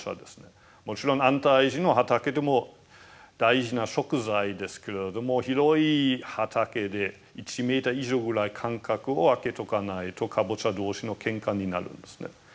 もちろん安泰寺の畑でも大事な食材ですけれども広い畑で１メーター以上ぐらい間隔を空けとかないとカボチャ同士のケンカになるんですね。